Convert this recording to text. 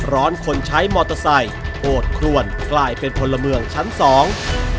คนใช้มอเตอร์ไซค์โอดครวนกลายเป็นพลเมืองชั้นสอง